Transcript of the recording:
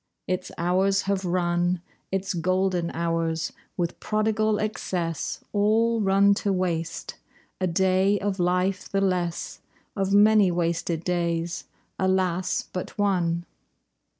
Its hours have run, Its golden hours, with prodigal excess, All run to waste. A day of life the less; Of many wasted days, alas, but one!